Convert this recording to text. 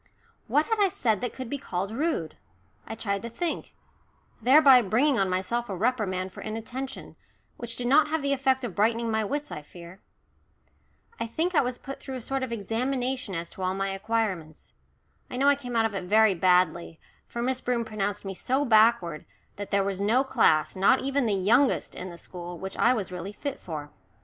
What had I said that could be called rude? I tried to think, thereby bringing on myself a reprimand for inattention, which did not have the effect of brightening my wits, I fear. I think I was put through a sort of examination as to all my acquirements. I know I came out of it very badly, for Miss Broom pronounced me so backward that there was no class, not even the youngest, in the school, which I was really fit for.